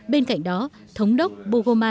bên cạnh đó thống đốc bogomars cũng cảm nhận